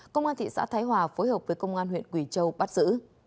công an thị xã thái hòa phối hợp với công an huyện quỳ châu bắt giữ